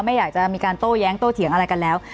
ไม่อยากจะมีการโต้แย้งโต้เถียงอะไรกันแล้ว